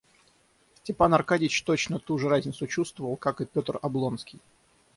Степан Аркадьич точно ту же разницу чувствовал, как и Петр Облонский.